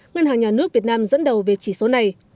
ngân hàng nhà nước việt nam dẫn đầu về chỉ số này